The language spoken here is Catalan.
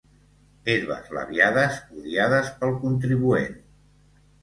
Herbes labiades odiades pel contribuent.